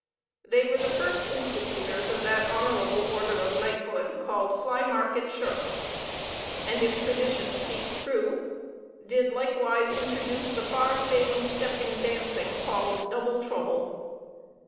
They were the first institutors of that honorable order of knighthood, called Flymarket shirks; and, if tradition speak true, did likewise introduce the far famed step in dancing, called "double trouble."